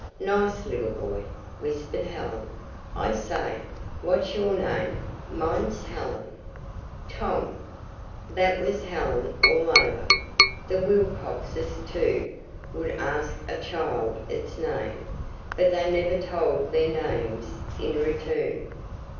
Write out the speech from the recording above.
"Nice little boy," whispered Helen. "I say, what's your name? Mine's Helen." "Tom." That was Helen all over. The Wilcoxes, too, would ask a child its name, but they never told their names in return.